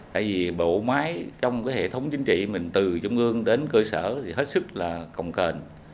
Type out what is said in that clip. tại vì bộ máy trong cái hệ thống chính trị mình từ trung ương đến cơ sở thì hết sức là cồng cành